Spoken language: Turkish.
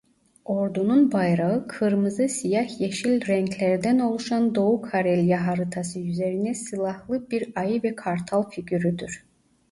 Ordunun bayrağı kırmızı-siyah-yeşil renklerden oluşan Doğu Karelya haritası üzerine silahlı bir ayı ve kartal figürüdür.